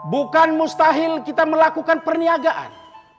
bukan mustahil kita melakukan perniagaan